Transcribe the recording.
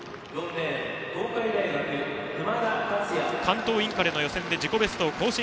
熊田竜也、関東インカレ予選で自己ベスト更新。